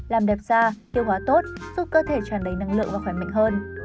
làm đẹp da tiêu hóa tốt giúp cơ thể tràn đầy năng lượng và khỏe mạnh hơn